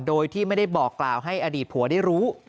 โดยที่ไม่ได้บอกกล่าวให้อดีตผัวได้รู้